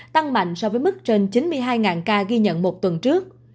tăng mạnh so với mức trên chín mươi hai ca ghi nhận một tuần trước